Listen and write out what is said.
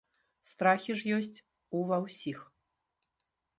Страхі ж ёсць у ва ўсіх!